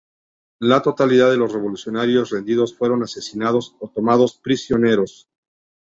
La totalidad de los revolucionarios rendidos fueron asesinados o tomados prisioneros.